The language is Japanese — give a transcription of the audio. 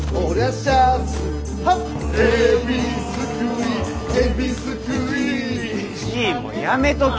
じいもやめとけ。